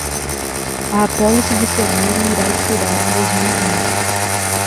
A apólice de seguro irá expirar em dois mil e vinte.